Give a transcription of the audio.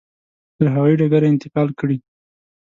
تر هوایي ډګره انتقال کړي.